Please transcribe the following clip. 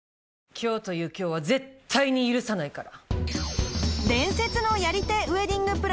今日という今日は絶対に許さないから。